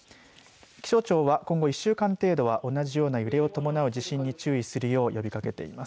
気象庁は今後１週間程度は同じような揺れを伴う地震に注意するよう呼びかけています。